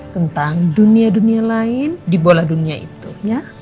tentang dunia dunia lain di bola dunia itu ya